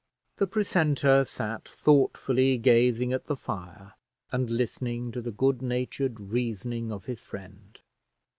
The precentor sat thoughtfully gazing at the fire, and listening to the good natured reasoning of his friend.